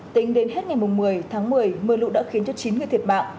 tính đến hết ngày một mươi tháng một mươi mưa lũ đã khiến cho chín người thiệt mạng